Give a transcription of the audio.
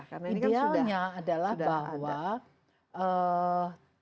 idealnya adalah bahwa teamwork ini seharusnya menjaga kesehatan